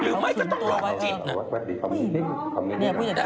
หรือไม่ก็ต้องกราบอีก